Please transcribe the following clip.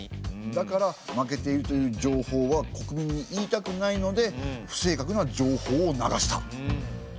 だから負けているという情報は国民に言いたくないので不正確な情報を流した。